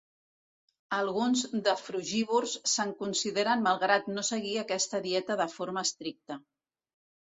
Alguns de frugívors se'n consideren malgrat no seguir aquesta dieta de forma estricta.